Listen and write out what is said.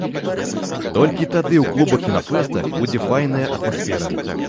Толькі тады ў клубах і на фэстах будзе файная атмасфера.